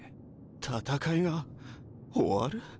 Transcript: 戦いが終わる？